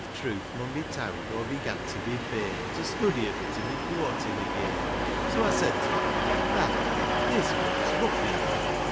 Iv truth mun be towd, aw began to be fain To study a bit o' my cwortin'" again ; So aw said to her, " Mally, this world's rough enoo